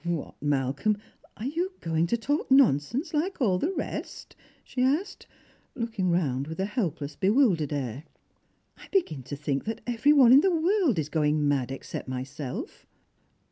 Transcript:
What, Malcolm, are you going to talk nonsense like all the rest ?" she asked, looking round with a helpless bewildered air. " I begin to think that every one in the world is going mad except myself."